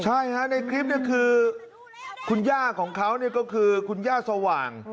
ใช่ฮะในคลิปนี้คือคุณย่าของเขาก็คือคุณย่าสว่าง